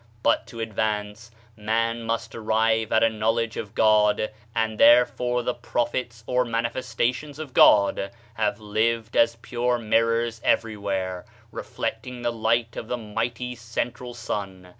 But to advance, man must arrive at a knowledge of God, and therefore the prophets or manifesta tions of God have lived as pure mirrors every where, reflecting the light of the mighty central sun.